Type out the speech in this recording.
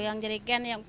yang jerigen yang kecil